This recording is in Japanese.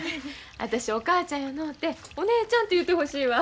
私お母ちゃんやのうてお姉ちゃんて言うてほしいわ。